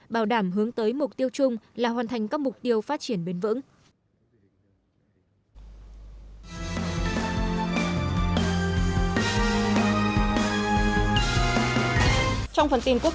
bảo đảm hướng tới mục tiêu chung là hoàn thành các mục tiêu phát triển bền vững